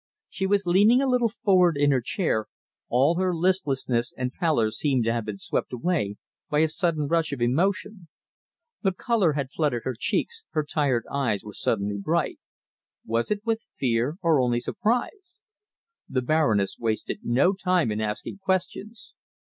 She was leaning a little forward in her chair, all her listlessness and pallor seemed to have been swept away by a sudden rush of emotion. The colour had flooded her cheeks, her tired eyes were suddenly bright; was it with fear or only surprise? The Baroness wasted no time in asking questions.